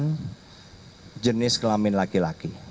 memiliki organ organ jenis kelamin laki laki